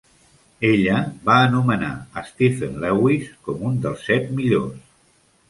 Ella va anomenar Stephen Lewis com un dels set millors.